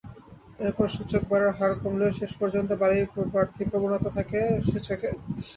এরপর সূচক বাড়ার হার কমলেও শেষ পর্যন্ত বাড়তি প্রবণতা থাকে সূচকে।